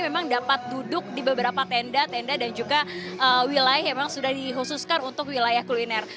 memang dapat duduk di beberapa tenda tenda dan juga wilayah yang memang sudah dihususkan untuk wilayah kuliner